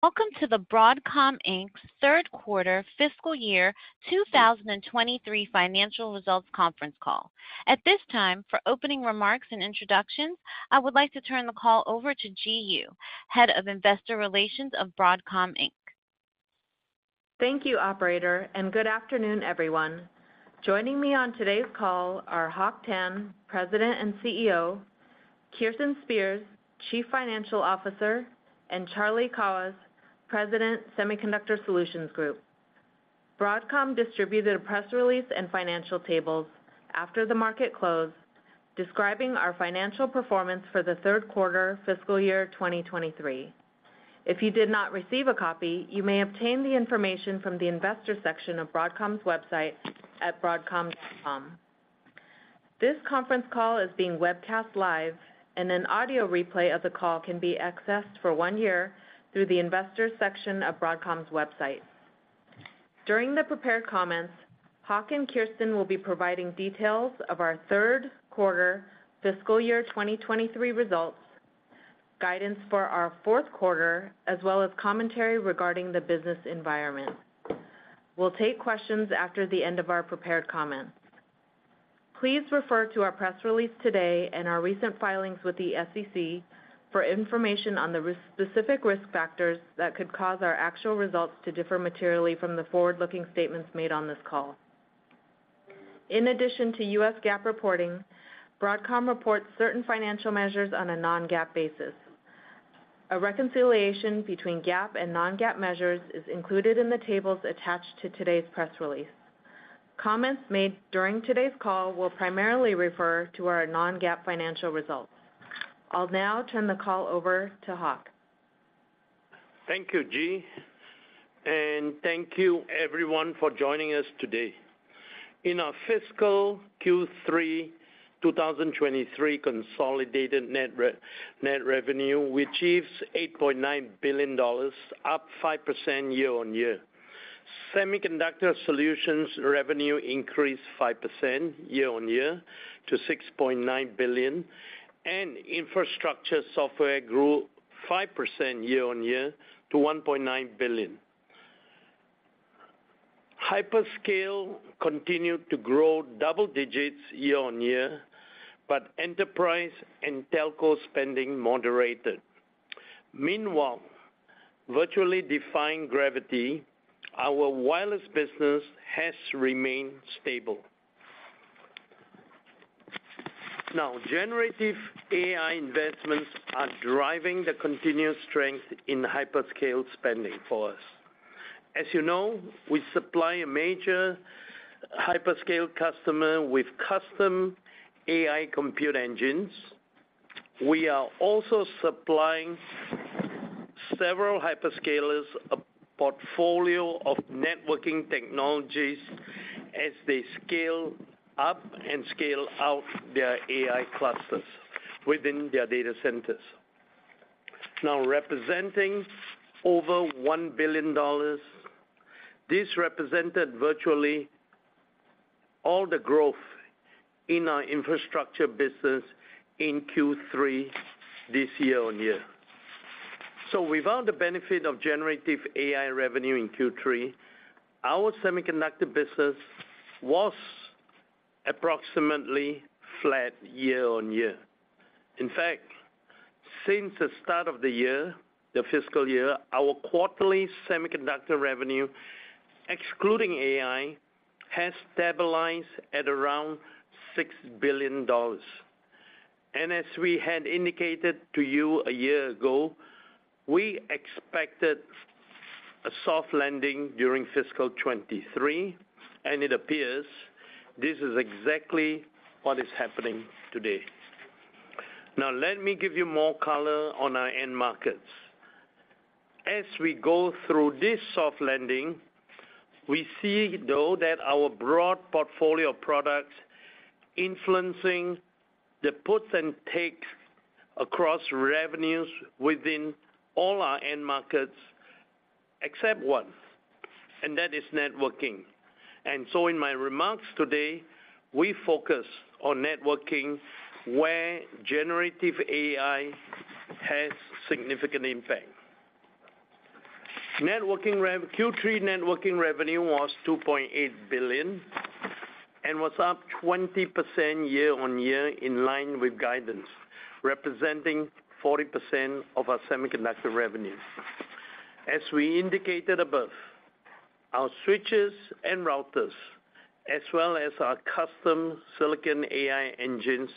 Welcome to The Broadcom Inc.'s Third Quarter Fiscal Year 2023 Financial Results Conference Call. At this time, for opening remarks and introductions, I would like to turn the call over to Ji Yoo, Head of Investor Relations of Broadcom Inc. Thank you, operator, and good afternoon, everyone. Joining me on today's call are Hock Tan, President and CEO; Kirsten Spears, Chief Financial Officer; and Charlie Kawwas, President, Semiconductor Solutions Group. Broadcom distributed a press release and financial tables after the market closed, describing our financial performance for the third quarter fiscal year 2023. If you did not receive a copy, you may obtain the information from the investor section of Broadcom's website at broadcom.com. This conference call is being webcast live, and an audio replay of the call can be accessed for one year through the investors section of Broadcom's website. During the prepared comments, Hock and Kirsten will be providing details of our third quarter fiscal year 2023 results, guidance for our fourth quarter, as well as commentary regarding the business environment. We'll take questions after the end of our prepared comments. Please refer to our press release today and our recent filings with the SEC for information on the risk-specific risk factors that could cause our actual results to differ materially from the forward-looking statements made on this call. In addition to U.S. GAAP reporting, Broadcom reports certain financial measures on a non-GAAP basis. A reconciliation between GAAP and non-GAAP measures is included in the tables attached to today's press release. Comments made during today's call will primarily refer to our non-GAAP financial results. I'll now turn the call over to Hock. Thank you, Ji, and thank you everyone for joining us today. In our fiscal Q3 2023 consolidated net revenue, we achieved $8.9 billion, up 5% year-on-year. Semiconductor Solutions revenue increased 5% year-on-year to $6.9 billion, and Infrastructure Software grew 5% year-on-year to $1.9 billion. Hyperscale continued to grow double digits year-on-year, but enterprise and telco spending moderated. Meanwhile, virtually defying gravity, our wireless business has remained stable. Now, Generative AI investments are driving the continued strength in hyperscale spending for us. As you know, we supply a major hyperscale customer with custom AI compute engines. We are also supplying several hyperscalers, a portfolio of networking technologies as they scale up and scale out their AI clusters within their data centers. Now, representing over $1 billion, this represented virtually all the growth in our infrastructure business in Q3 this year-over-year. So without the benefit of Generative AI revenue in Q3, our semiconductor business was approximately flat year-over-year. In fact, since the start of the year, the fiscal year, our quarterly semiconductor revenue, excluding AI, has stabilized at around $6 billion. And as we had indicated to you a year ago, we expected a soft landing during fiscal 2023, and it appears this is exactly what is happening today. Now, let me give you more color on our end markets. As we go through this soft landing, we see, though, that our broad portfolio of products influencing the puts and takes across revenues within all our end markets, except one, and that is networking. In my remarks today, we focus on networking, where generative AI has significant impact. Q3 networking revenue was $2.8 billion and was up 20% year-over-year in line with guidance, representing 40% of our Semiconductor revenues. As we indicated above, our switches and routers, as well as our custom silicon AI engines,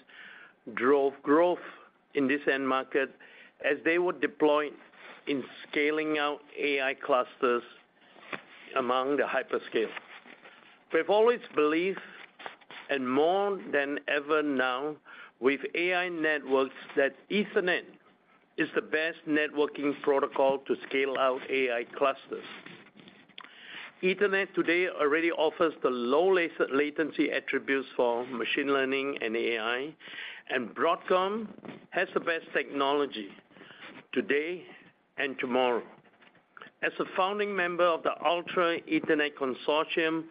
drove growth in this end market as they were deployed in scaling out AI clusters among the hyperscale. We've always believed, and more than ever now with AI networks, that Ethernet is the best networking protocol to scale out AI clusters. Ethernet today already offers the low latency attributes for machine learning and AI, and Broadcom has the best technology today and tomorrow. As a founding member of the Ultra Ethernet Consortium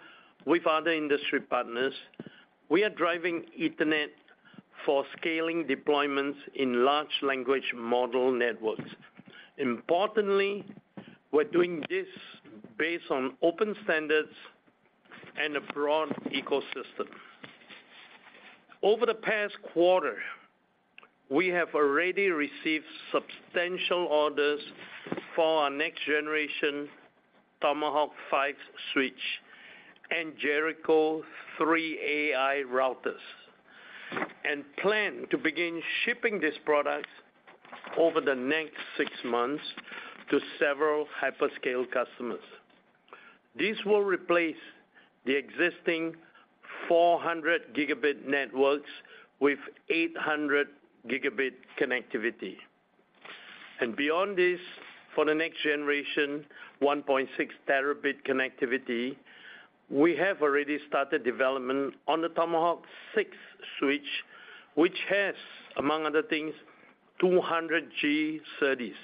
with other industry partners, we are driving Ethernet for scaling deployments in large language model networks. Importantly, we're doing this based on open standards and a broad ecosystem. Over the past quarter, we have already received substantial orders for our next generation Tomahawk 5 switch and Jericho 3-AI routers, and plan to begin shipping these products over the next six months to several hyperscale customers. This will replace the existing 400 gigabit networks with 800 gigabit connectivity. And beyond this, for the next generation, 1.6 terabit connectivity, we have already started development on the Tomahawk 6 switch, which has, among other things, 200G SerDes,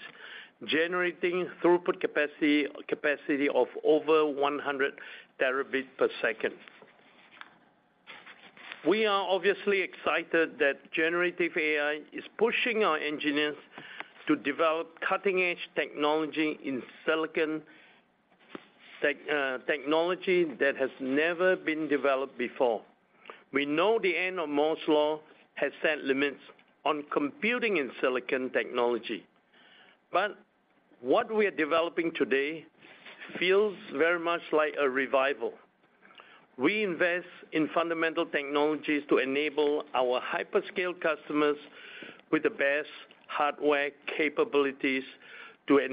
generating throughput capacity, capacity of over 100 terabit per second. We are obviously excited that Generative AI is pushing our engineers to develop cutting-edge technology in silicon tech, technology that has never been developed before. We know the end of Moore's Law has set limits on computing in silicon technology, but what we are developing today feels very much like a revival. We invest in fundamental technologies to enable our hyperscale customers with the best hardware capabilities to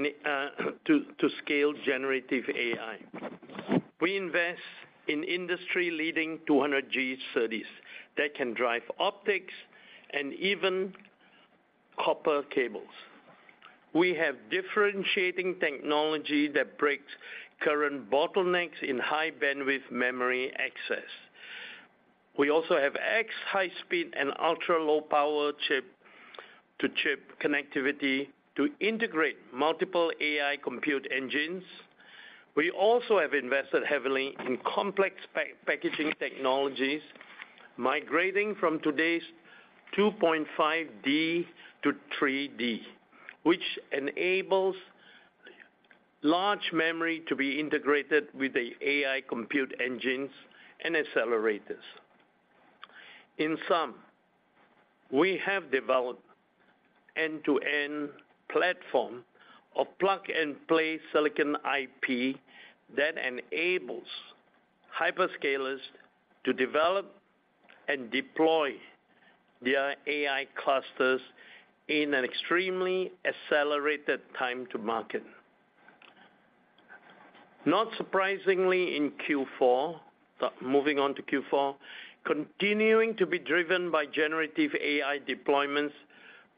scale generative AI. We invest in industry-leading 200G SerDes that can drive optics and even copper cables. We have differentiating technology that breaks current bottlenecks in high bandwidth memory access. We also have X high speed and ultra-low power chip-to-chip connectivity to integrate multiple AI compute engines. We also have invested heavily in complex packaging technologies, migrating from today's 2.5D-3D, which enables large memory to be integrated with the AI compute engines and accelerators. In sum, we have developed end-to-end platform of plug-and-play silicon IP that enables hyperscalers to develop and deploy their AI clusters in an extremely accelerated time to market. Not surprisingly, in Q4, but moving on to Q4, continuing to be driven by generative AI deployments,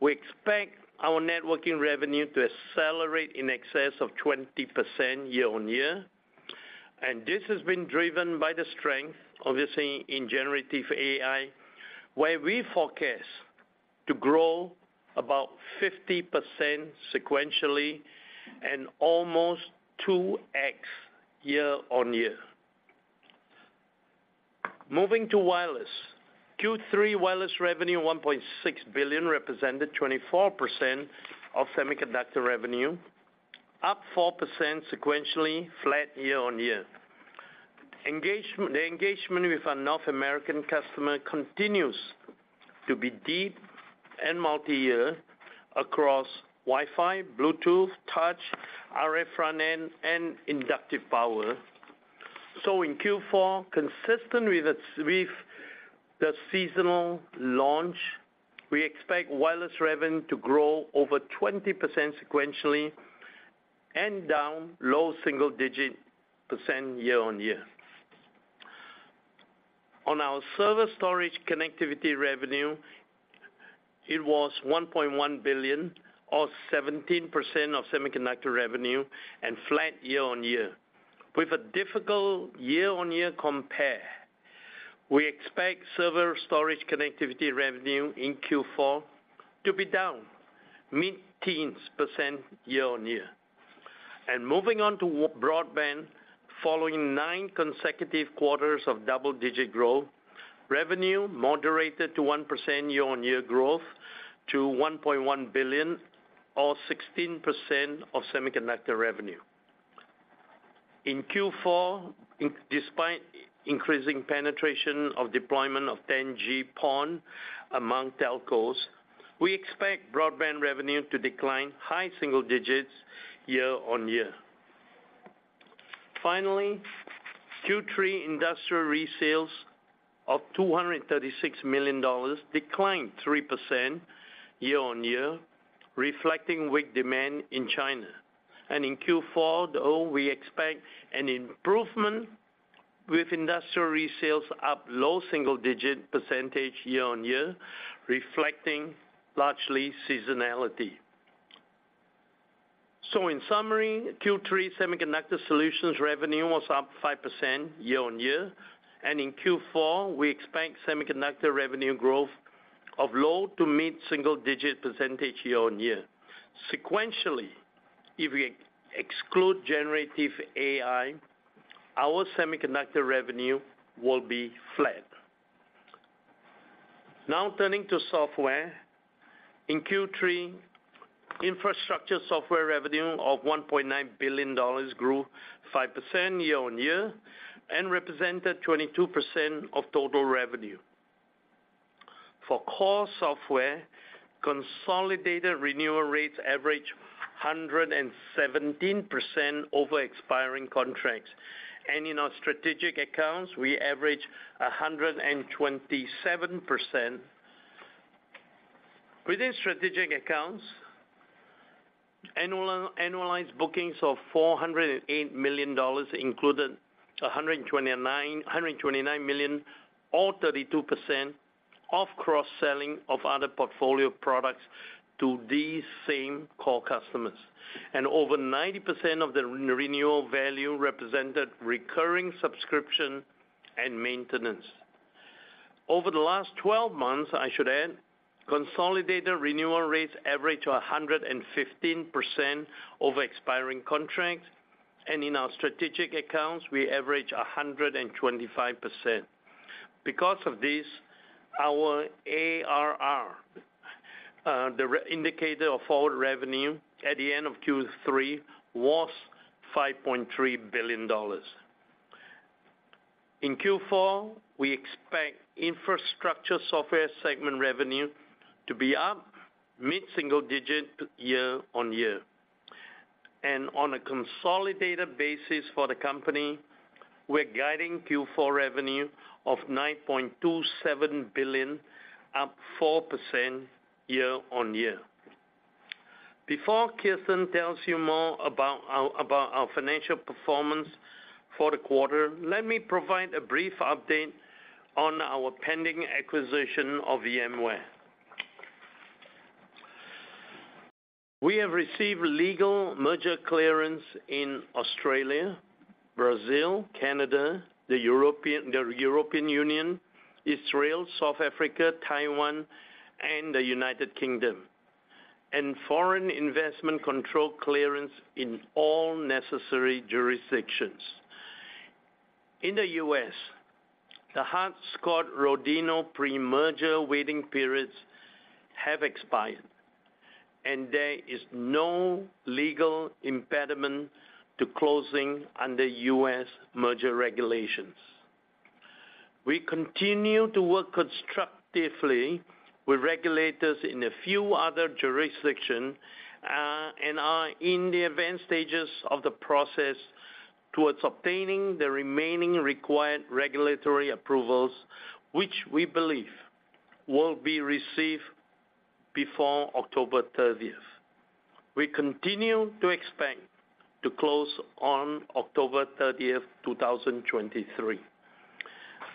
we expect our networking revenue to accelerate in excess of 20% year-on-year. And this has been driven by the strength, obviously, in generative AI, where we forecast to grow about 50% sequentially and almost 2x year-on-year. Moving to wireless. Q3 wireless revenue, $1.6 billion, represented 24% of Semiconductor revenue, up 4% sequentially, flat year-on-year. Engagement, the engagement with our North American customer continues to be deep and multi-year across Wi-Fi, Bluetooth, touch, RF front-end, and inductive power. So in Q4, consistent with the seasonal launch, we expect wireless revenue to grow over 20% sequentially and down low single-digit % year-on-year. On our server storage connectivity revenue, it was $1.1 billion, or 17% of Semiconductor revenue, and flat year-on-year. With a difficult year-on-year compare, we expect server storage connectivity revenue in Q4 to be down mid-teens % year-on-year. Moving on to broadband, following nine consecutive quarters of double-digit growth, revenue moderated to 1% year-on-year growth to $1.1 billion, or 16% of Semiconductor revenue. In Q4, despite increasing penetration of deployment of 10G PON among telcos, we expect broadband revenue to decline high single digits % year-on-year. Finally, Q3 industrial resales of $236 million declined 3% year-on-year, reflecting weak demand in China. In Q4, though, we expect an improvement with industrial resales up low-single-digit % year-on-year, reflecting largely seasonality. In summary, Q3 Semiconductor Solutions revenue was up 5% year-on-year, and in Q4, we expect semiconductor revenue growth of low- to mid-single-digit % year-on-year. Sequentially, if we exclude generative AI, our Semiconductor revenue will be flat. Now turning to Software. In Q3, Infrastructure Software revenue of $1.9 billion grew 5% year-on-year and represented 22% of total revenue. For core software, consolidated renewal rates average 117% over expiring contracts, and in our strategic accounts, we average 127%. Within strategic accounts, annualized bookings of $408 million included $129 million, or 32%, of cross-selling of other portfolio products to these same core customers. Over 90% of the renewal value represented recurring subscription and maintenance. Over the last 12 months, I should add, consolidated renewal rates average to 115% over expiring contracts, and in our strategic accounts, we average 125%. Because of this, our ARR, the indicator of forward revenue at the end of Q3 was $5.3 billion. In Q4, we expect Infrastructure Software segment revenue to be up mid-single digit year-on-year. On a consolidated basis for the company, we're guiding Q4 revenue of $9.27 billion, up 4% year-on-year. Before Kirsten tells you more about our financial performance for the quarter, let me provide a brief update on our pending acquisition of VMware. We have received legal merger clearance in Australia, Brazil, Canada, the European Union, Israel, South Africa, Taiwan, and the United Kingdom, and foreign investment control clearance in all necessary jurisdictions. In the U.S., the Hart-Scott-Rodino pre-merger waiting periods have expired, and there is no legal impediment to closing under U.S. merger regulations. We continue to work constructively with regulators in a few other jurisdictions and are in the advanced stages of the process towards obtaining the remaining required regulatory approvals, which we believe will be received before October 30. We continue to expect to close on October 30, 2023.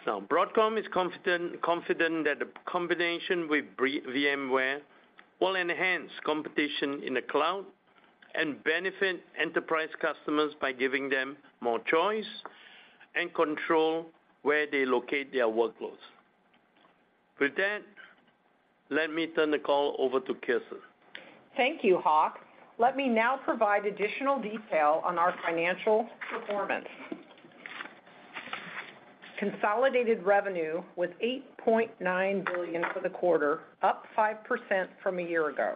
Now, Broadcom is confident that the combination with VMware will enhance competition in the cloud and benefit enterprise customers by giving them more choice and control where they locate their workloads. With that, let me turn the call over to Kirsten. Thank you, Hock. Let me now provide additional detail on our financial performance. Consolidated revenue was $8.9 billion for the quarter, up 5% from a year ago.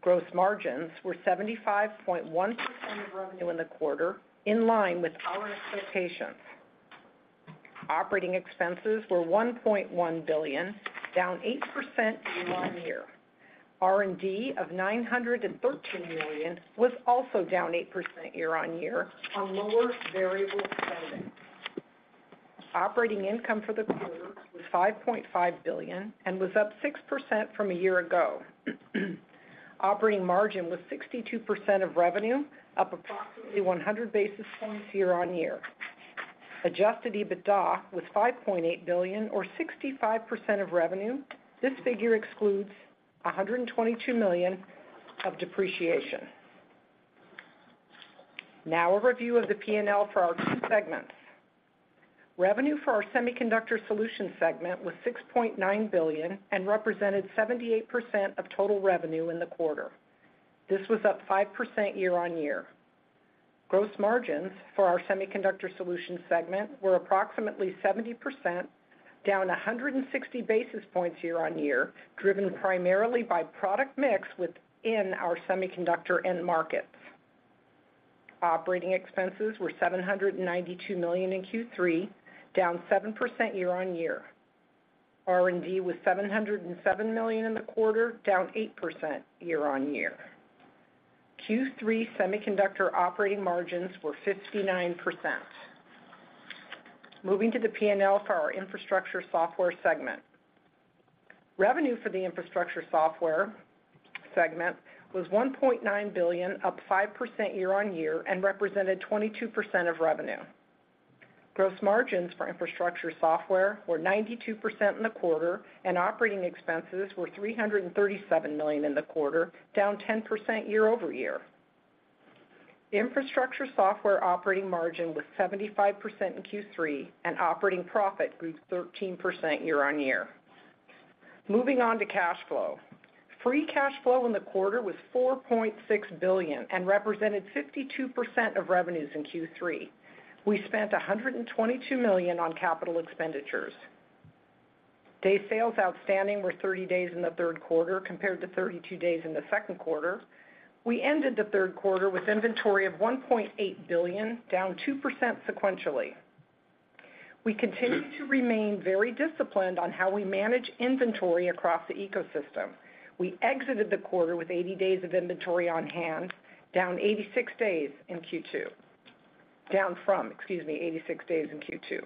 Gross margins were 75.1% of revenue in the quarter, in line with our expectations. Operating expenses were $1.1 billion, down 8% year-on-year. R&D of $913 million was also down 8% year-on-year on lower variable spending. Operating income for the quarter was $5.5 billion and was up 6% from a year ago. Operating margin was 62% of revenue, up approximately 100 basis points year-on-year. Adjusted EBITDA was $5.8 billion or 65% of revenue. This figure excludes $122 million of depreciation. Now, a review of the P&L for our two segments. Revenue for our Semiconductor Solutions segment was $6.9 billion and represented 78% of total revenue in the quarter. This was up 5% year-on-year. Gross margins for our Semiconductor Solutions segment were approximately 70%, down 160 basis points year-on-year, driven primarily by product mix within our semiconductor end markets. Operating expenses were $792 million in Q3, down 7% year-on-year. R&D was $707 million in the quarter, down 8% year-on-year. Q3 semiconductor operating margins were 59%. Moving to the P&L for our Infrastructure Software segment. Revenue for the Infrastructure Software segment was $1.9 billion, up 5% year-on-year, and represented 22% of revenue. Gross margins for Infrastructure Software were 92% in the quarter, and operating expenses were $337 million in the quarter, down 10% year-over-year. Infrastructure Software operating margin was 75% in Q3, and operating profit grew 13% year-on-year. Moving on to cash flow. Free cash flow in the quarter was $4.6 billion and represented 52% of revenues in Q3. We spent $122 million on capital expenditures. Day sales outstanding were 30 days in the third quarter compared to 32 days in the second quarter. We ended the third quarter with inventory of $1.8 billion, down 2% sequentially. We continue to remain very disciplined on how we manage inventory across the ecosystem. We exited the quarter with 80 days of inventory on hand, down 86 days in Q2. Down from, excuse me, 86 days in Q2.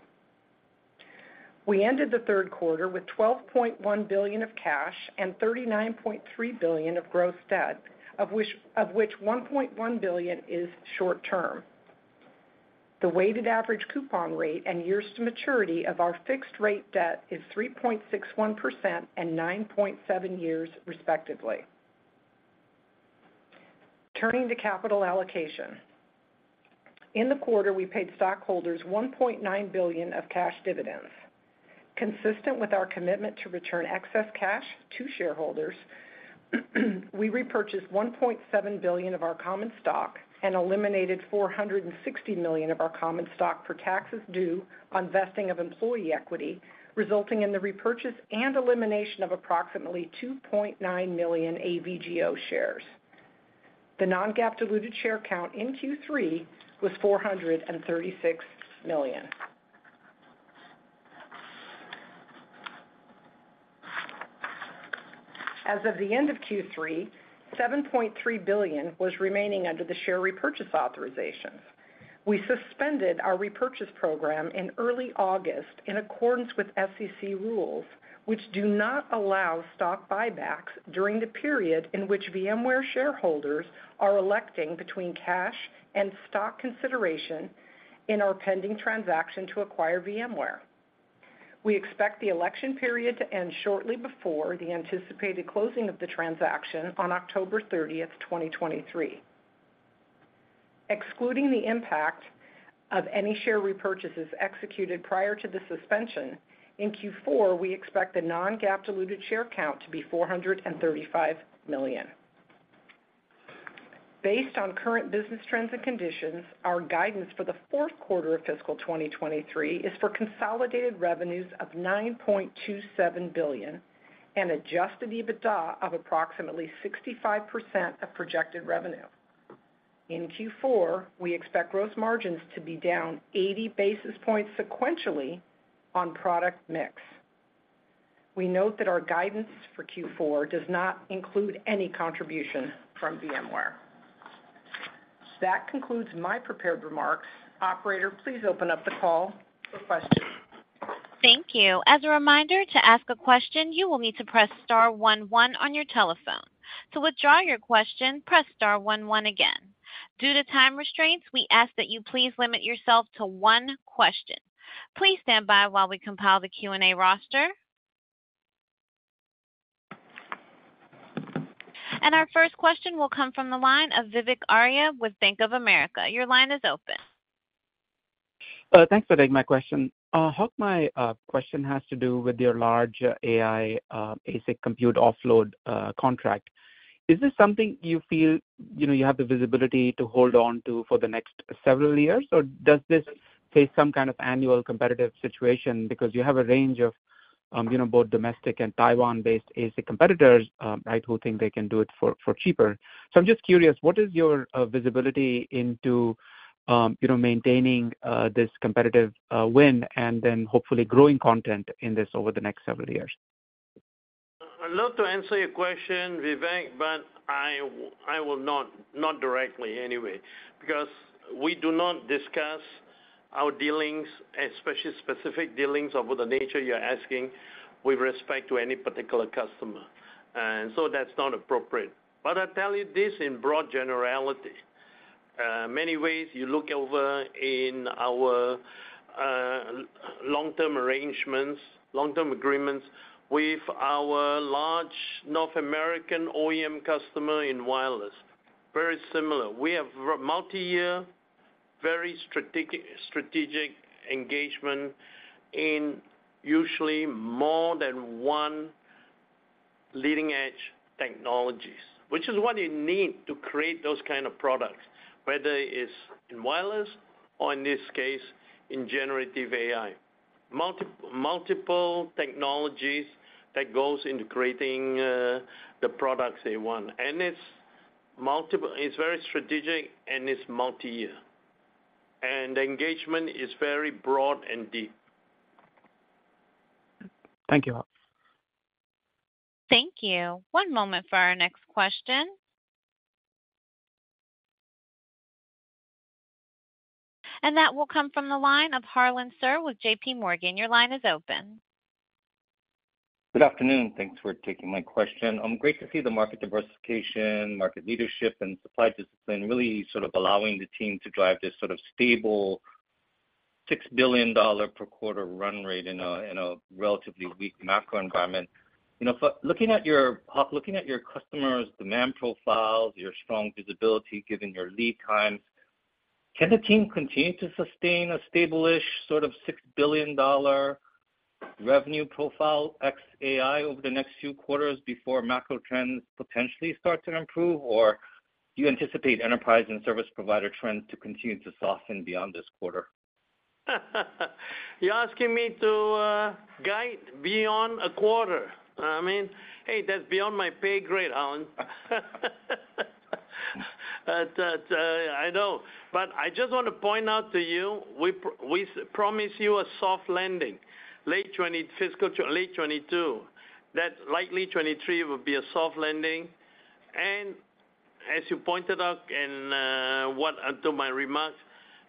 We ended the third quarter with $12.1 billion of cash and $39.3 billion of gross debt, of which $1.1 billion is short term. The weighted average coupon rate and years to maturity of our fixed rate debt is 3.61% and 9.7 years, respectively. Turning to capital allocation. In the quarter, we paid stockholders $1.9 billion of cash dividends. Consistent with our commitment to return excess cash to shareholders, we repurchased $1.7 billion of our common stock and eliminated $460 million of our common stock for taxes due on vesting of employee equity, resulting in the repurchase and elimination of approximately 2.9 million AVGO shares. The Non-GAAP diluted share count in Q3 was 436 million. As of the end of Q3, $7.3 billion was remaining under the share repurchase authorizations. We suspended our repurchase program in early August in accordance with SEC rules, which do not allow stock buybacks during the period in which VMware shareholders are electing between cash and stock consideration in our pending transaction to acquire VMware. We expect the election period to end shortly before the anticipated closing of the transaction on October 30, 2023. Excluding the impact of any share repurchases executed prior to the suspension, in Q4, we expect the non-GAAP diluted share count to be 435 million. Based on current business trends and conditions, our guidance for the fourth quarter of fiscal 2023 is for consolidated revenues of $9.27 billion and adjusted EBITDA of approximately 65% of projected revenue. In Q4, we expect growth margins to be down 80 basis points sequentially on product mix. We note that our guidance for Q4 does not include any contribution from VMware. That concludes my prepared remarks. Operator, please open up the call for questions. Thank you. As a reminder, to ask a question, you will need to press star one one on your telephone. To withdraw your question, press star one one again. Due to time restraints, we ask that you please limit yourself to one question. Please stand by while we compile the Q&A roster. Our first question will come from the line of Vivek Arya with Bank of America. Your line is open. Thanks for taking my question. Hock, my question has to do with your large AI basic compute offload contract. Is this something you feel, you know, you have the visibility to hold on to for the next several years, or does this face some kind of annual competitive situation? Because you have a range of, you know, both domestic and Taiwan-based ASIC competitors, right, who think they can do it for cheaper. So I'm just curious, what is your visibility into, you know, maintaining this competitive win and then hopefully growing content in this over the next several years? I'd love to answer your question, Vivek, but I will not, not directly anyway, because we do not discuss our dealings, especially specific dealings of the nature you're asking, with respect to any particular customer, and so that's not appropriate. But I tell you this in broad generality. In many ways, you look over our long-term arrangements, long-term agreements with our large North American OEM customer in wireless. Very similar. We have multiyear, very strategic, strategic engagement in usually more than one leading-edge technologies, which is what you need to create those kind of products, whether it is in wireless or in this case, in Generative AI. Multiple, multiple technologies that goes into creating the products they want. And it's multiple, it's very strategic, and it's multiyear, and the engagement is very broad and deep. Thank you, Hock. Thank you. One moment for our next question. That will come from the line of Harlan Sur with JPMorgan. Your line is open. Good afternoon. Thanks for taking my question. Great to see the market diversification, market leadership and supply discipline really sort of allowing the team to drive this sort of stable $6 billion per quarter run rate in a relatively weak macro environment. You know, Hock, looking at your customers' demand profiles, your strong visibility given your lead times,... Can the team continue to sustain a stable-ish sort of $6 billion revenue profile X AI over the next few quarters before macro trends potentially start to improve? Or do you anticipate enterprise and service provider trends to continue to soften beyond this quarter? You're asking me to guide beyond a quarter. I mean, hey, that's beyond my pay grade, Harlan. But I know. But I just want to point out to you, we promise you a soft landing, late 2022 fiscal late 2022. That likely 2023 will be a soft landing. And as you pointed out, and to my remarks,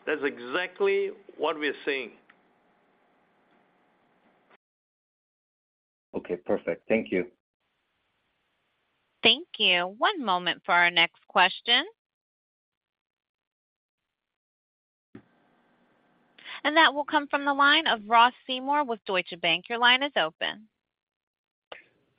that's exactly what we're seeing. Okay, perfect. Thank you. Thank you. One moment for our next question. That will come from the line of Ross Seymore with Deutsche Bank. Your line is open.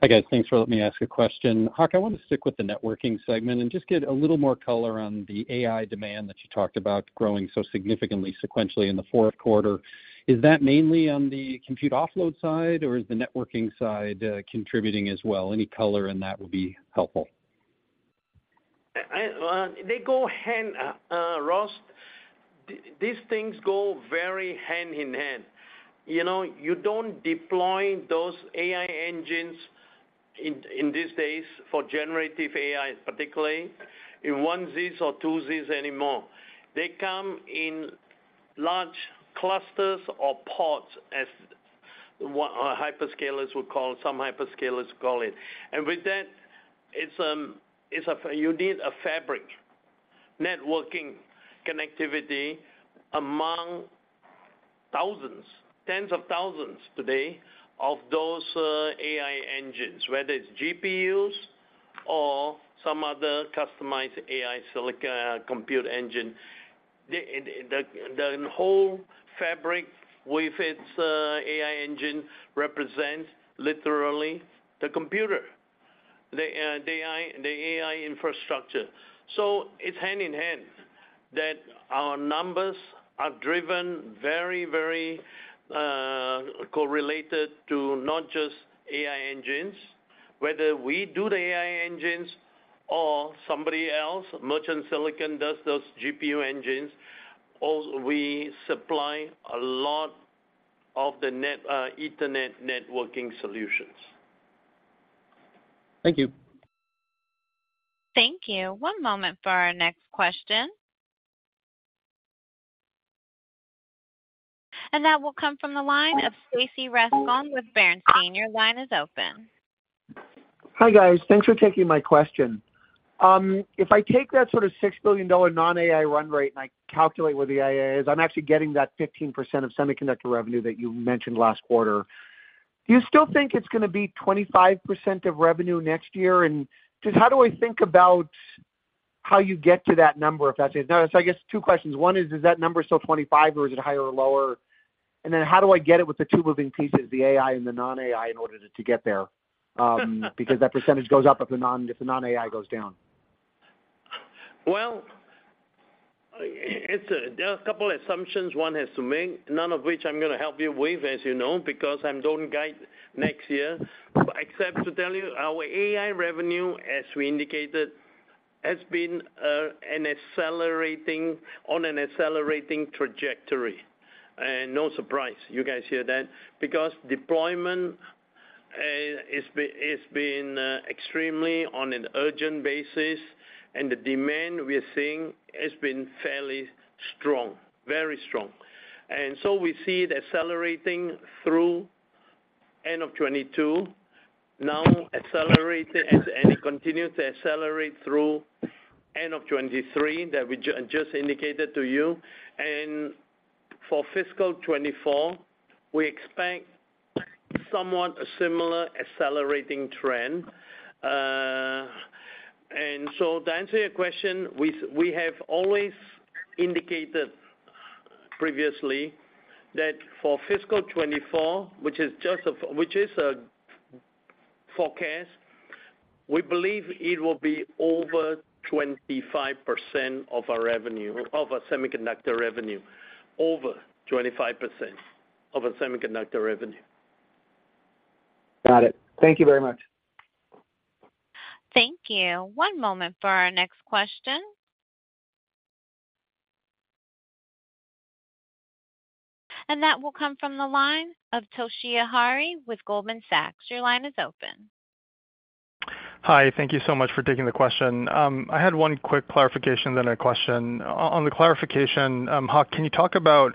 Hi, guys. Thanks for letting me ask a question. Hock, I want to stick with the networking segment and just get a little more color on the AI demand that you talked about growing so significantly sequentially in the fourth quarter. Is that mainly on the compute offload side, or is the networking side, contributing as well? Any color in that would be helpful. Well, they go hand in hand, Ross. These things go very hand in hand. You know, you don't deploy those AI engines in these days for Generative AI, particularly, in ones or twos anymore. They come in large clusters or pods, as what our hyperscalers would call, some hyperscalers call it. And with that, it's you need a fabric, networking connectivity among 1,000s, 10s of 1,000s today, of those AI engines, whether it's GPUs or some other customized AI silicon compute engine. The whole fabric with its AI engine represents literally the computer, the AI, the AI infrastructure. So it's hand in hand that our numbers are driven very, very correlated to not just AI engines. Whether we do the AI engines or somebody else, merchant silicon does those GPU engines, also we supply a lot of the net, Ethernet networking solutions. Thank you. Thank you. One moment for our next question. That will come from the line of Stacy Rasgon with Bernstein. Your line is open. Hi, guys. Thanks for taking my question. If I take that sort of $6 billion non-AI run rate and I calculate what the AI is, I'm actually getting that 15% of Semiconductor revenue that you mentioned last quarter. Do you still think it's going to be 25% of revenue next year? And just how do I think about how you get to that number, if that's it? So I guess two questions. One is, is that number still 25, or is it higher or lower? And then how do I get it with the two moving pieces, the AI and the non-AI, in order to get there? Because that % goes up if the non-AI goes down. Well, it's there are a couple assumptions one has to make, none of which I'm going to help you with, as you know, because I don't guide next year. Except to tell you our AI revenue, as we indicated, has been an accelerating on an accelerating trajectory. And no surprise, you guys hear that, because deployment is being extremely on an urgent basis, and the demand we are seeing has been fairly strong, very strong. And so we see it accelerating through end of 2022, now accelerated, and it continues to accelerate through end of 2023, that we just indicated to you. And for fiscal 2024, we expect somewhat a similar accelerating trend. And so to answer your question, we have always indicated previously that for fiscal 2024, which is just a forecast, we believe it will be over 25% of our revenue, of our Semiconductor revenue. Over 25% of our Semiconductor revenue. Got it. Thank you very much. Thank you. One moment for our next question. That will come from the line of Toshiya Hari with Goldman Sachs. Your line is open. Hi, thank you so much for taking the question. I had one quick clarification then a question. On the clarification, Hock, can you talk about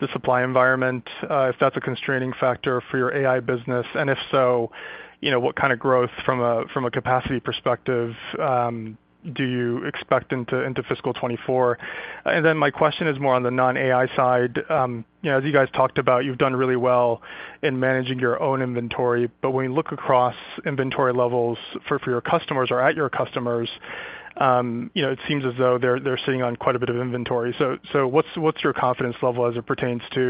the supply environment, if that's a constraining factor for your AI business, and if so, you know, what kind of growth from a capacity perspective, do you expect into fiscal 2024? And then my question is more on the non-AI side. You know, as you guys talked about, you've done really well in managing your own inventory. But when you look across inventory levels for your customers or at your customers, you know, it seems as though they're sitting on quite a bit of inventory. So what's your confidence level as it pertains to,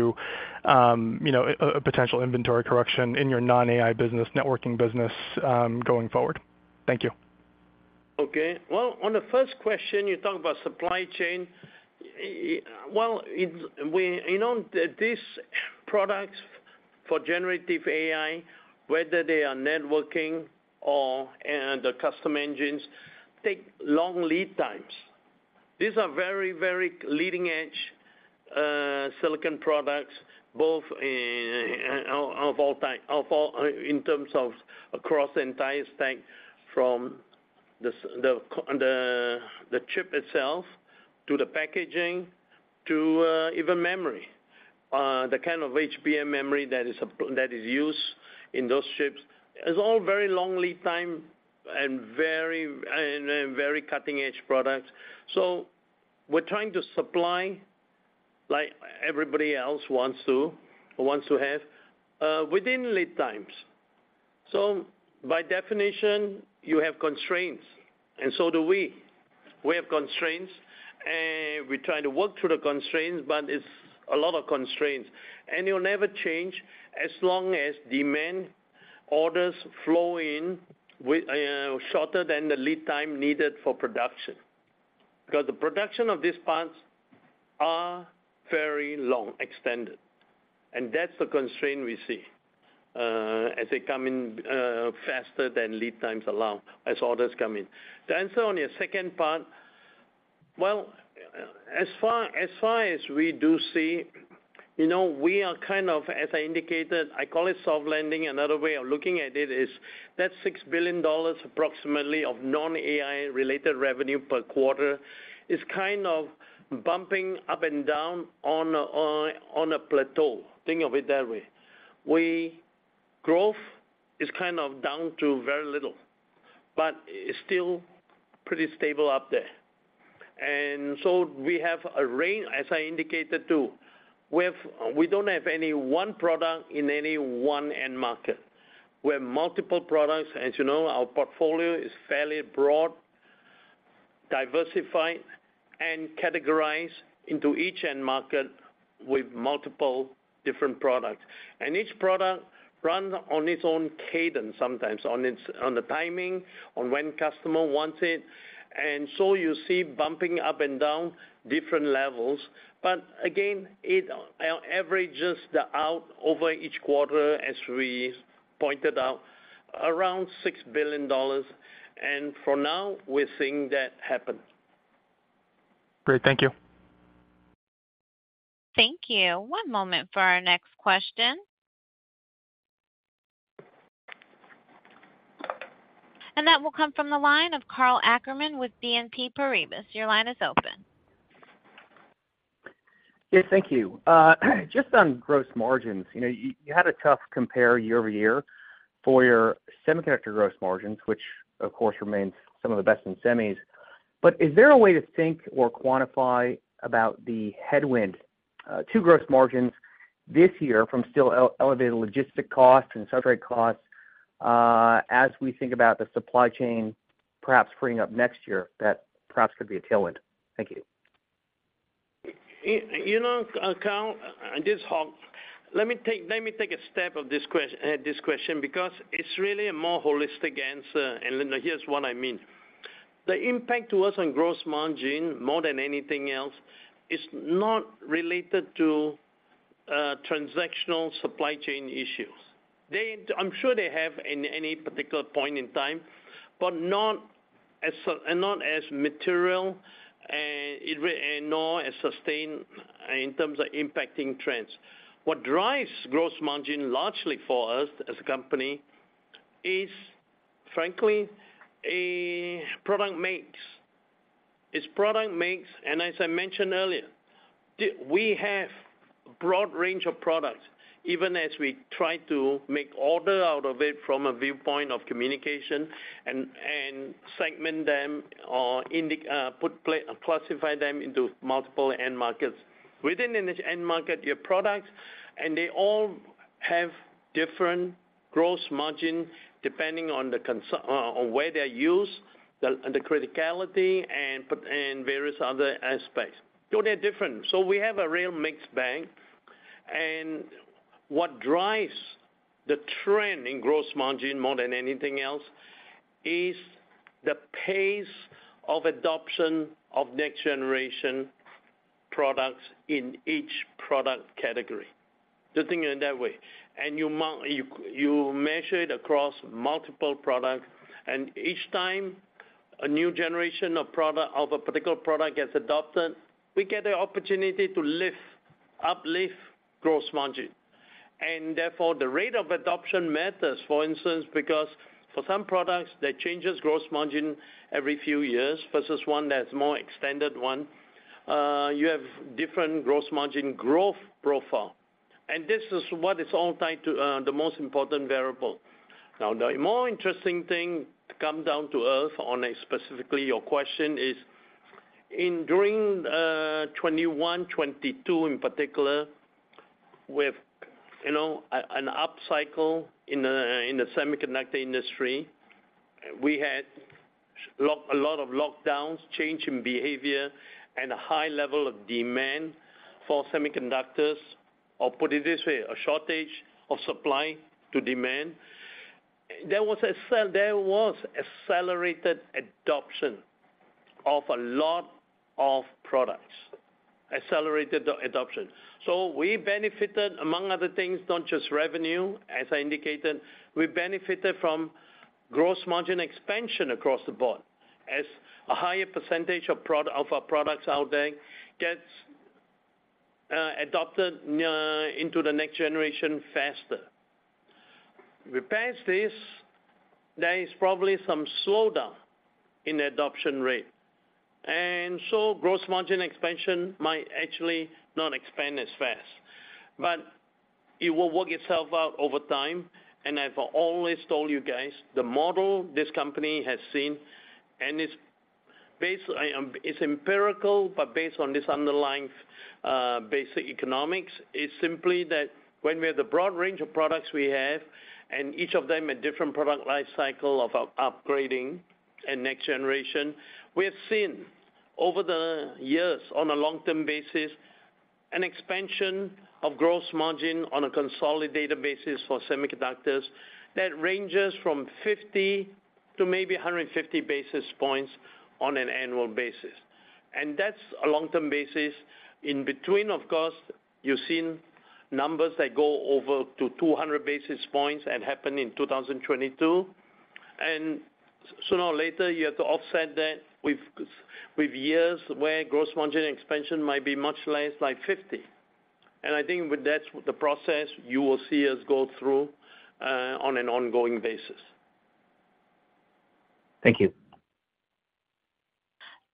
you know, a potential inventory correction in your non-AI business, networking business, going forward? Thank you. ... Okay. Well, on the first question, you talk about supply chain. Well, it's we, you know, that these products for Generative AI, whether they are networking or, and the custom engines, take long lead times. These are very, very leading-edge silicon products, both of all type, of all in terms of across the entire stack, from the chip itself to the packaging, to even memory. The kind of HBM memory that is used in those chips is all very long lead time and very cutting-edge products. So we're trying to supply, like everybody else wants to, wants to have within lead times. So by definition, you have constraints, and so do we. We have constraints, and we're trying to work through the constraints, but it's a lot of constraints. It'll never change as long as demand orders flow in with shorter than the lead time needed for production. Because the production of these parts are very long, extended, and that's the constraint we see as they come in faster than lead times allow, as orders come in. To answer on your second part, well, as far, as far as we do see, you know, we are kind of, as I indicated, I call it soft landing. Another way of looking at it is that $6 billion, approximately, of non-AI-related revenue per quarter is kind of bumping up and down on a, on a, on a plateau. Think of it that way. We—Growth is kind of down to very little, but it's still pretty stable up there. And so we have a range, as I indicated, too. We have—we don't have any one product in any one end market. We have multiple products. As you know, our portfolio is fairly broad, diversified, and categorized into each end market with multiple different products. And each product runs on its own cadence, sometimes, on its, on the timing, on when customer wants it. And so you see bumping up and down different levels. But again, it averages out over each quarter, as we pointed out, around $6 billion. And for now, we're seeing that happen. Great. Thank you. Thank you. One moment for our next question. That will come from the line of Karl Ackerman with BNP Paribas. Your line is open. Yes, thank you. Just on gross margins, you know, you had a tough compare year-over-year for your semiconductor gross margins, which of course remains some of the best in semis. But is there a way to think or quantify about the headwind to gross margins this year from still elevated logistics costs and substrate costs, as we think about the supply chain perhaps freeing up next year, that perhaps could be a tailwind? Thank you. You know, Karl, this is Hock. Let me take a step back on this question, because it's really a more holistic answer, and then here's what I mean. The impact to us on gross margin, more than anything else, is not related to transactional supply chain issues. They. I'm sure they have in any particular point in time, but not as significant and not as material, and not as sustained in terms of impacting trends. What drives gross margin largely for us, as a company, is frankly a product mix. It's product mix, and as I mentioned earlier, we have a broad range of products, even as we try to make order out of it from a viewpoint of communication and segment them or classify them into multiple end markets. Within each end market, your products, and they all have different gross margin depending on where they're used, the criticality and various other aspects. So they're different. So we have a real mixed bag, and what drives the trend in gross margin more than anything else is the pace of adoption of next-generation products in each product category. Just think in that way. And you measure it across multiple products, and each time a new generation of product, of a particular product gets adopted, we get the opportunity to lift, uplift gross margin. And therefore, the rate of adoption matters, for instance, because for some products, that changes gross margin every few years, vs one that's more extended one. You have different gross margin growth profile. And this is what is all tied to, the most important variable. Now, the more interesting thing to come down to earth on, specifically your question is, during 2021, 2022 in particular, with, you know, an upcycle in the semiconductor industry, we had a lot of lockdowns, change in behavior, and a high level of demand for semiconductors, or put it this way, a shortage of supply to demand, there was accelerated adoption of a lot of products. Accelerated adoption. So we benefited, among other things, not just revenue, as I indicated, we benefited from gross margin expansion across the board as a higher % of our products out there gets adopted into the next generation faster. Past this, there is probably some slowdown in the adoption rate, and so gross margin expansion might actually not expand as fast. But it will work itself out over time, and I've always told you guys, the model this company has seen, and it's based, it's empirical, but based on this underlying, basic economics, is simply that when we have the broad range of products we have, and each of them a different product life cycle of upgrading and next generation, we have seen over the years, on a long-term basis, an expansion of gross margin on a consolidated basis for semiconductors that ranges from 50 to maybe 150 basis points on an annual basis. And that's a long-term basis. In between, of course, you've seen numbers that go over to 200 basis points and happened in 2022. And sooner or later, you have to offset that with, with years where gross margin expansion might be much less, like 50. I think with that, the process you will see us go through on an ongoing basis. Thank you.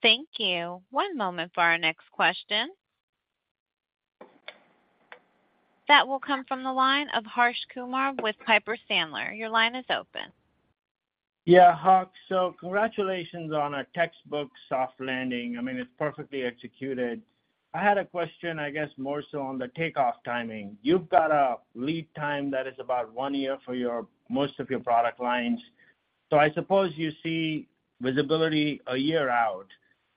Thank you. One moment for our next question. That will come from the line of Harsh Kumar with Piper Sandler. Your line is open. Yeah, Hock. So congratulations on a textbook soft landing. I mean, it's perfectly executed. I had a question, I guess, more so on the takeoff timing. You've got a lead time that is about one year for your, most of your product lines. So I suppose you see visibility a year out.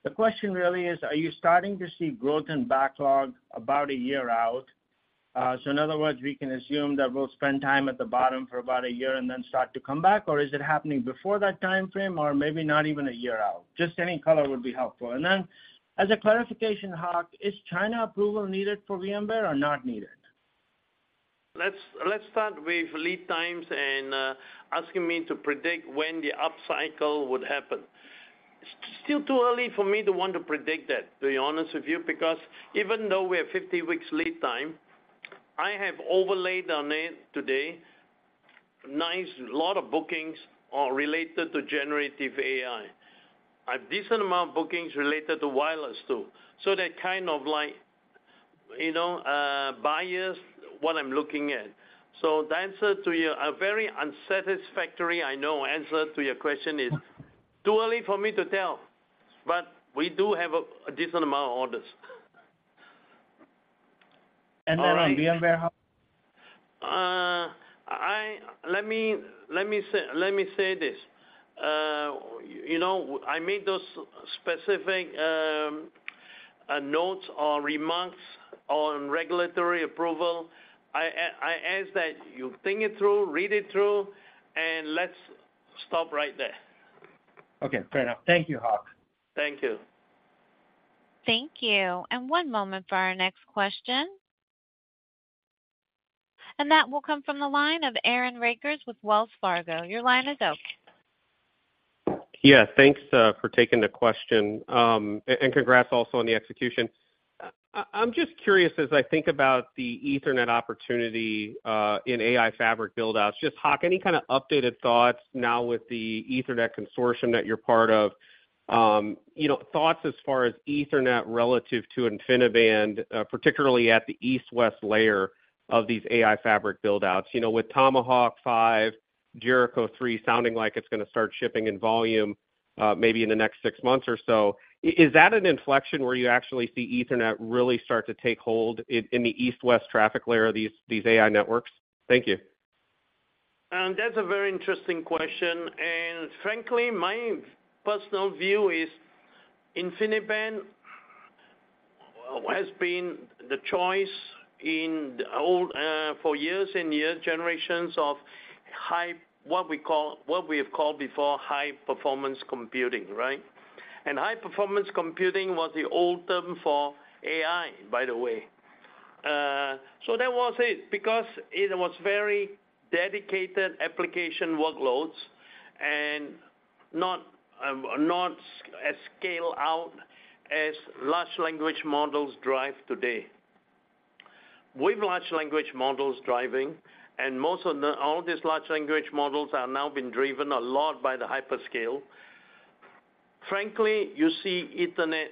The question really is, are you starting to see growth in backlog about a year out? So in other words, we can assume that we'll spend time at the bottom for about a year and then start to come back, or is it happening before that timeframe, or maybe not even a year out? Just any color would be helpful. And then, as a clarification, Hock, is China approval needed for VMware or not needed? Let's start with lead times and asking me to predict when the upcycle would happen. It's still too early for me to want to predict that, to be honest with you, because even though we have 50 weeks lead time, I have overlaid on it today—a lot of bookings are related to Generative AI. A decent amount of bookings related to wireless, too. So they're kind of like, you know, biased, what I'm looking at. So the answer to you, a very unsatisfactory, I know, answer to your question is, too early for me to tell, but we do have a decent amount of orders. And then on VMware, how- Let me say this. You know, I made those specific notes or remarks on regulatory approval. I ask that you think it through, read it through, and let's stop right there. Okay, fair enough. Thank you, Hock. Thank you. Thank you. One moment for our next question. That will come from the line of Aaron Rakers with Wells Fargo. Your line is open. Yeah, thanks for taking the question. And congrats also on the execution. I'm just curious, as I think about the Ethernet opportunity in AI fabric build-outs, just Hock, any kind of updated thoughts now with the Ethernet consortium that you're part of? You know, thoughts as far as Ethernet relative to InfiniBand, particularly at the east-west layer of these AI fabric build-outs. With Tomahawk 5, Jericho 3 sounding like it's gonna start shipping in volume, maybe in the next six months or so, is that an inflection where you actually see Ethernet really start to take hold in the east-west traffic layer of these AI networks? Thank you. That's a very interesting question, and frankly, my personal view is InfiniBand has been the choice in the old, for years and years, generations of high, what we call, what we have called before, high performance computing, right? And high performance computing was the old term for AI, by the way. So that was it, because it was very dedicated application workloads and not, not as scale out as large language models drive today. With large language models driving, and most of the, all these large language models are now being driven a lot by the hyperscale, frankly, you see Ethernet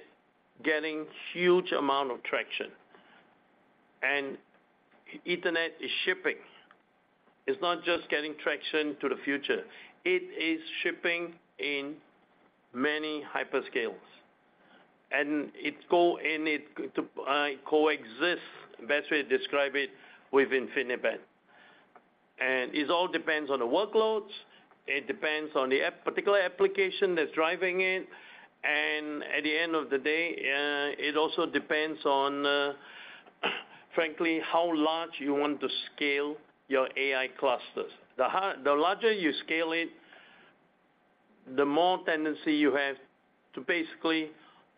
getting huge amount of traction. And Ethernet is shipping. It's not just getting traction to the future. It is shipping in many hyperscales, and it coexists, best way to describe it, with InfiniBand.... It all depends on the workloads, it depends on the app, particular application that's driving it. At the end of the day, it also depends on, frankly, how large you want to scale your AI clusters. The larger you scale it, the more tendency you have to basically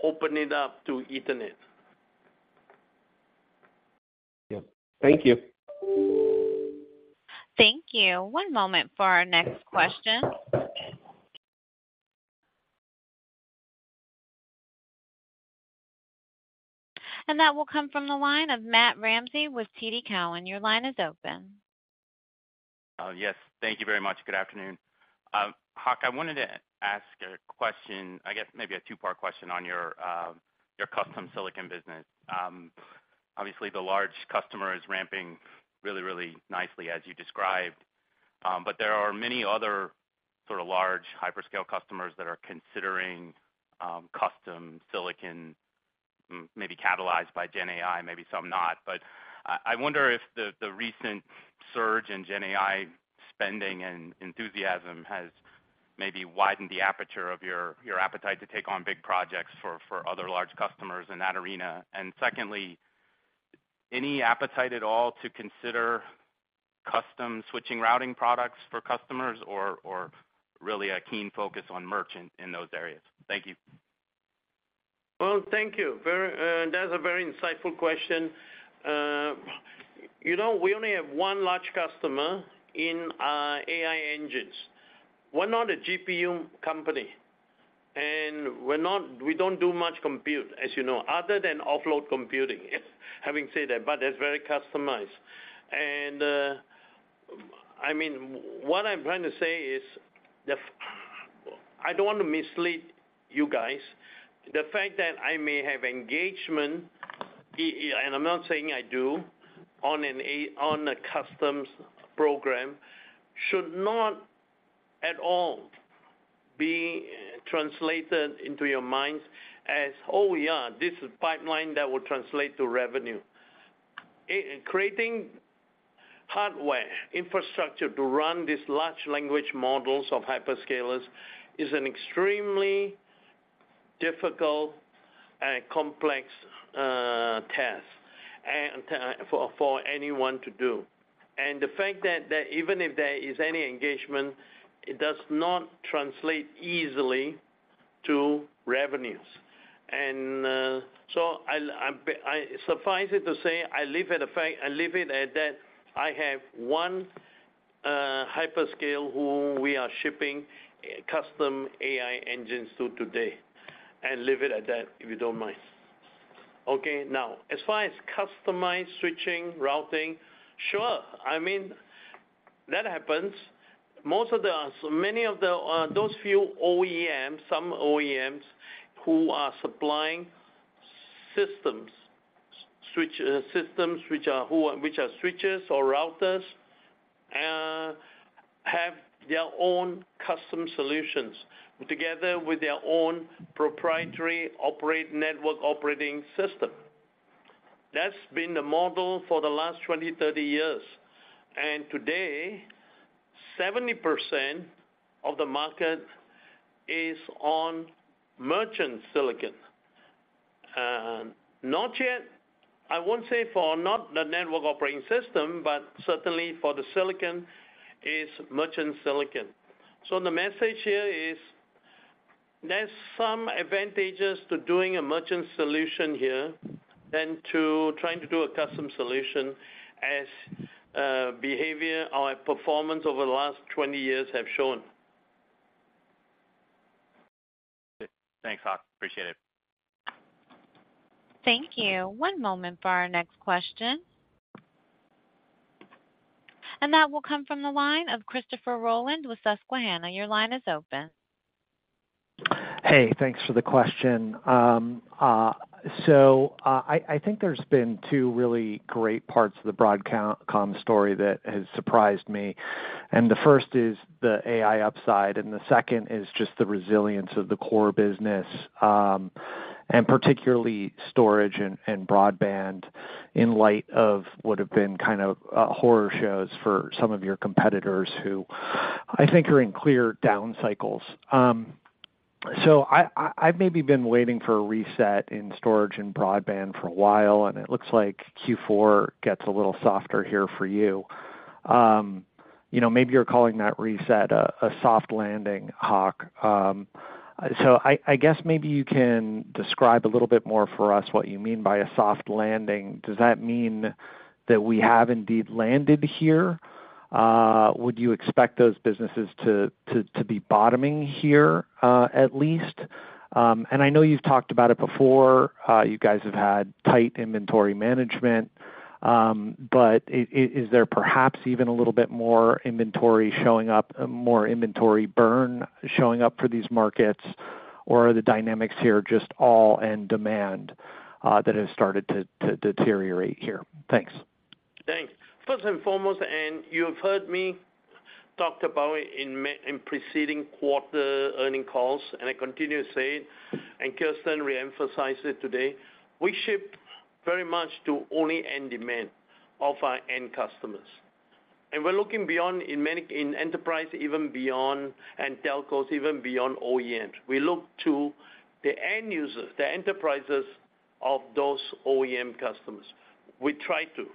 open it up to Ethernet. Yeah. Thank you. Thank you. One moment for our next question. That will come from the line of Matt Ramsay with TD Cowen. Your line is open. Yes, thank you very much. Good afternoon. Hock, I wanted to ask a question, I guess maybe a two-part question on your custom silicon business. Obviously, the large customer is ramping really, really nicely, as you described. But there are many other sort of large hyperscale customers that are considering custom silicon, maybe catalyzed by GenAI, maybe some not. I wonder if the recent surge in GenAI spending and enthusiasm has maybe widened the aperture of your appetite to take on big projects for other large customers in that arena. And secondly, any appetite at all to consider custom switching routing products for customers, or really a keen focus on merchant in those areas? Thank you. Well, thank you. That's a very insightful question. You know, we only have one large customer in our AI engines. We're not a GPU company, and we don't do much compute, as you know, other than offload computing. Having said that, but that's very customized. And, I mean, what I'm trying to say is I don't want to mislead you guys. The fact that I may have engagement, and I'm not saying I do, on an AI, on a custom program, should not at all be translated into your minds as, oh, yeah, this is pipeline that will translate to revenue. Creating hardware infrastructure to run these large language models of hyperscalers is an extremely difficult and complex task and, for anyone to do. The fact that even if there is any engagement, it does not translate easily to revenues. So suffice it to say, I leave it a fact, I leave it at that. I have one hyperscale who we are shipping custom AI engines to today, and leave it at that, if you don't mind. Okay, now, as far as customized switching, routing, sure. I mean, that happens. Most of the, many of the, those few OEMs, some OEMs who are supplying systems, switch systems, which are switches or routers, have their own custom solutions together with their own proprietary operating network operating system. That's been the model for the last 20, 30 years, and today, 70% of the market is on merchant silicon. Not yet, I won't say for not the network operating system, but certainly for the silicon is merchant silicon. So the message here is there's some advantages to doing a merchant solution here than to trying to do a custom solution, as, behavior or performance over the last 20 years have shown. Thanks, Hock. Appreciate it. Thank you. One moment for our next question. That will come from the line of Christopher Rolland with Susquehanna. Your line is open. Hey, thanks for the question. So, I think there's been two really great parts of the Broadcom story that has surprised me. And the first is the AI upside, and the second is just the resilience of the core business, and particularly storage and broadband, in light of what have been kind of horror shows for some of your competitors, who I think are in clear down cycles. So, I've maybe been waiting for a reset in storage and broadband for a while, and it looks like Q4 gets a little softer here for you. You know, maybe you're calling that reset a soft landing, Hock. So, I guess maybe you can describe a little bit more for us what you mean by a soft landing. Does that mean that we have indeed landed here? Would you expect those businesses to be bottoming here, at least? And I know you've talked about it before, you guys have had tight inventory management. But is there perhaps even a little bit more inventory showing up, more inventory burn showing up for these markets? Or are the dynamics here just all in demand that has started to deteriorate here? Thanks. Thanks. First and foremost, and you've heard me talked about it in preceding quarter earnings calls, and I continue to say it, and Kirsten re-emphasized it today. We ship very much to only end demand of our end customers, and we're looking beyond in many, in enterprise, even beyond, and telcos, even beyond OEM. We look to the end users, the enterprises of those OEM customers. We try to.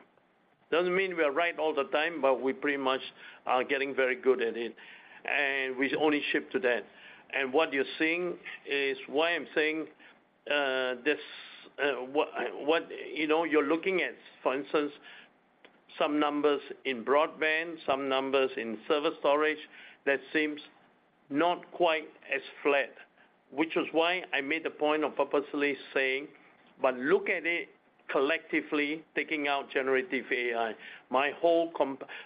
Doesn't mean we are right all the time, but we pretty much are getting very good at it, and we only ship to that. And what you're seeing is why I'm saying this, what you know, you're looking at, for instance, some numbers in broadband, some numbers in service storage, that seems not quite as flat. Which is why I made the point of purposely saying, "But look at it collectively, taking out generative AI." My whole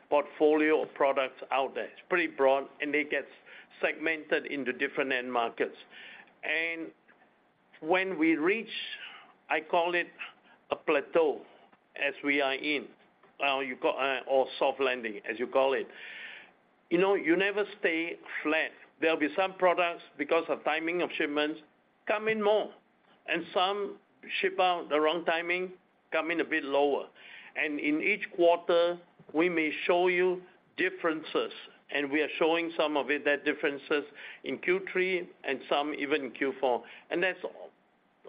portfolio of products out there is pretty broad, and it gets segmented into different end markets. And when we reach, I call it a plateau, as we are in, you've got, or soft landing, as you call it. You know, you never stay flat. There'll be some products, because of timing of shipments, come in more, and some ship out the wrong timing, come in a bit lower. And in each quarter, we may show you differences, and we are showing some of it, that differences in Q3 and some even in Q4. And that's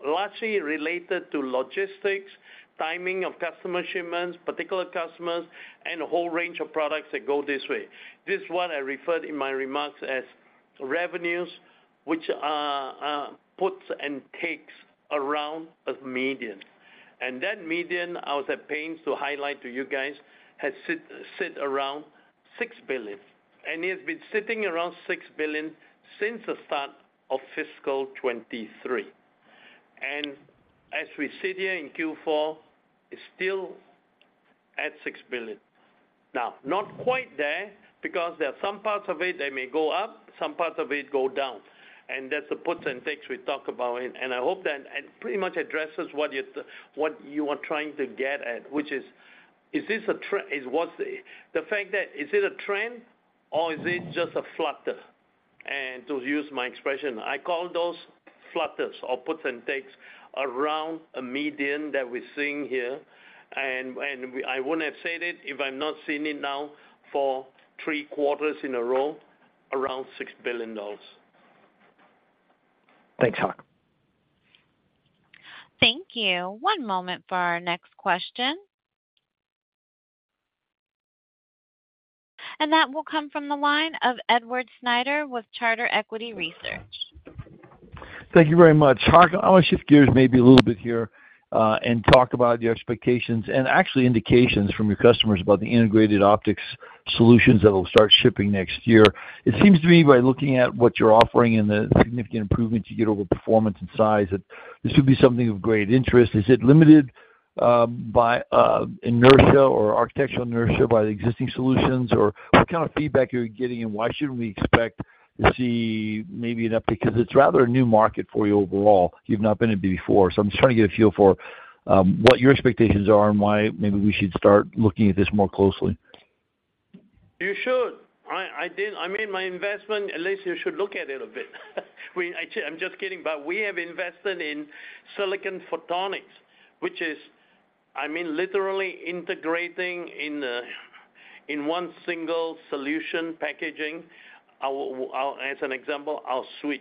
largely related to logistics, timing of customer shipments, particular customers, and a whole range of products that go this way. This is what I referred to in my remarks as revenues, which are puts and takes around a median. And that median, I was at pains to highlight to you guys, has sat around $6 billion, and it's been sitting around $6 billion since the start of fiscal 2023. And as we sit here in Q4, it's still at $6 billion. Now, not quite there because there are some parts of it that may go up, some parts of it go down, and that's the puts and takes we talk about. And I hope that pretty much addresses what you are trying to get at, which is, is it a trend or is it just a flutter? And to use my expression, I call those flutters or puts and takes around a median that we're seeing here. And I wouldn't have said it if I've not seen it now for three quarters in a row, around $6 billion. Thanks, Hock. Thank you. One moment for our next question. That will come from the line of Edward Snyder with Charter Equity Research. Thank you very much. Hock, I want to shift gears maybe a little bit here, and talk about the expectations and actually indications from your customers about the integrated optics solutions that will start shipping next year. It seems to me, by looking at what you're offering and the significant improvements you get over performance and size, that this would be something of great interest. Is it limited, by, inertia or architectural inertia by the existing solutions? Or what kind of feedback are you getting, and why should we expect to see maybe an update? Because it's rather a new market for you overall. You've not been in it before. So I'm just trying to get a feel for, what your expectations are and why maybe we should start looking at this more closely. You should. I did, I made my investment, at least you should look at it a bit. I'm just kidding. But we have invested in Silicon Photonics, which is, I mean, literally integrating in a, in one single solution, packaging. As an example, I'll switch.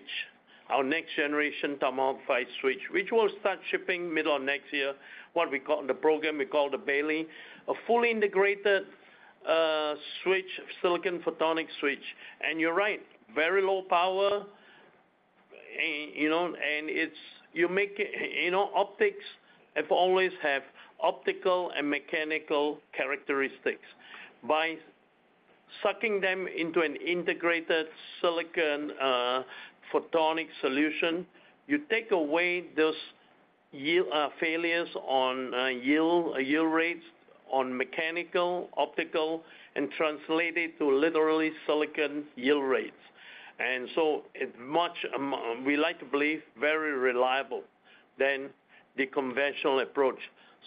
Our next generation Tomahawk-5 switch, which will start shipping middle of next year, what we call, the program we call the Bailly. A fully integrated switch, Silicon Photonics switch. And you're right, very low power and, you know, and it's, you make it, you know, optics have always had optical and mechanical characteristics. By sucking them into an integrated Silicon Photonics solution, you take away those yield failures on yield rates on mechanical, optical, and translate it to literally silicon yield rates. So it's much more reliable than the conventional approach,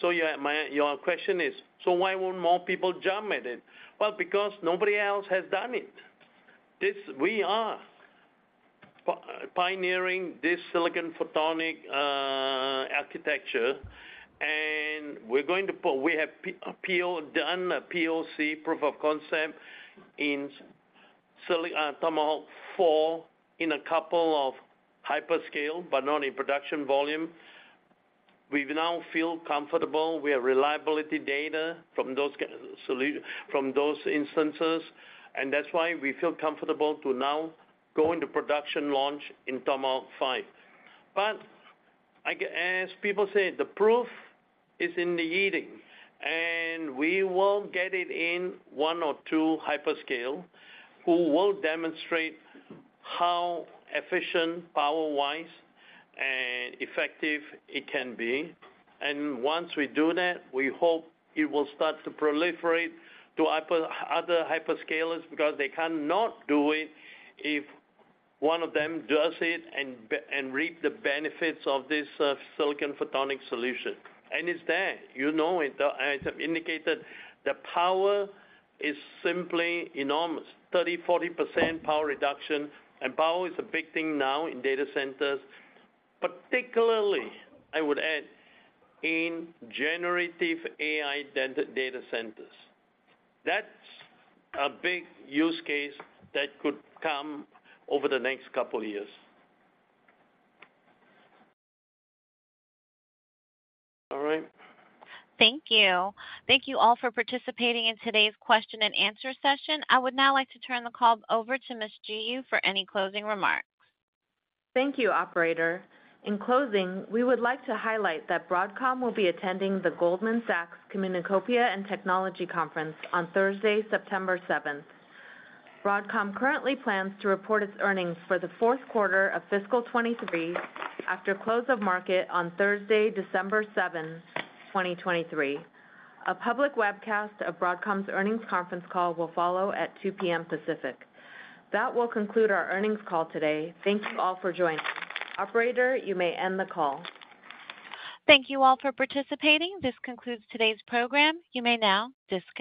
we like to believe. So yeah, your question is: so why won't more people jump at it? Well, because nobody else has done it. We are pioneering this Silicon Photonics architecture, and we're going to put CPO. We have done a PoC, Proof of Concept, in silicon, Tomahawk 4 in a couple of hyperscalers, but not in production volume. We now feel comfortable. We have reliability data from those instances, and that's why we feel comfortable to now go into production launch in Tomahawk 5. But as people say, the proof is in the eating, and we will get it in one or two hyperscalers, who will demonstrate how efficient power-wise and effective it can be. Once we do that, we hope it will start to proliferate to hyper, other hyperscalers, because they cannot do it if one of them does it and reap the benefits of this Silicon Photonics solution. It's there, you know it. As I've indicated, the power is simply enormous, 30%-40% power reduction, and power is a big thing now in data centers, particularly, I would add, in Generative AI data, data centers. That's a big use case that could come over the next couple years. All right. Thank you. Thank you all for participating in today's question and answer session. I would now like to turn the call over to Ms. Ji Yoo for any closing remarks. Thank you, operator. In closing, we would like to highlight that Broadcom will be attending the Goldman Sachs Communications and Technology Conference on Thursday, September 7. Broadcom currently plans to report its earnings for the fourth quarter of fiscal 2023 after close of market on Thursday, December 7, 2023. A public webcast of Broadcom's earnings conference call will follow at 2:00 P.M. Pacific. That will conclude our earnings call today. Thank you all for joining. Operator, you may end the call. Thank you all for participating. This concludes today's program. You may now disconnect.